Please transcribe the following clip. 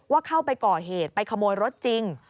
เข้าไปก่อเหตุไปขโมยรถจริง